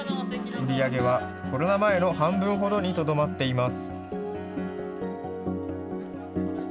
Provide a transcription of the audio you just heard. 売り上げはコロナ前の半分ほどにとどまっています。